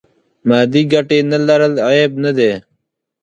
مادې ګټې نه لرل عیب نه دی.